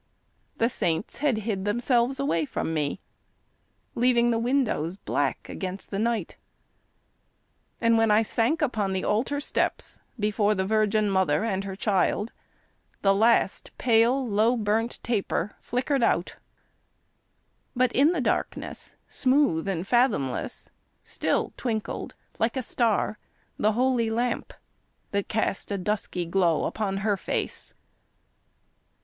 The saints had hid themselves away from me, Leaving the windows black against the night; And when I sank upon the altar steps, Before the Virgin Mother and her Child, The last, pale, low burnt taper flickered out, But in the darkness, smooth and fathomless, Still twinkled like a star the holy lamp That cast a dusky glow upon her face.